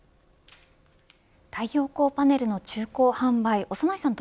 太陽光パネルの中古販売長内さん